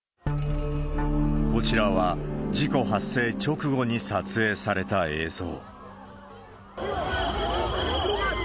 こちらは、事故発生直後に撮影された映像。